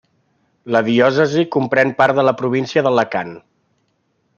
La Diòcesi comprèn part de la província d'Alacant.